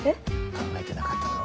考えてなかっただろ。